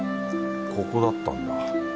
ここだったんだ。